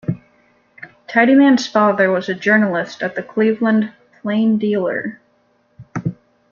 Tidyman's father was a journalist at the Cleveland "Plain Dealer".